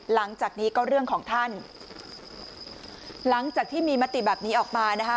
หลังจากนี้ก็เรื่องของท่านหลังจากที่มีมติแบบนี้ออกมานะคะ